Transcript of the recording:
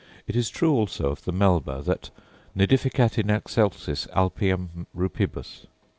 It is true also of the melba, that 'nidificat in excelsis Alpium rupibus.